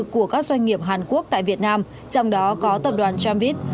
của các doanh nghiệp hàn quốc tại việt nam trong đó có tập đoàn tramvit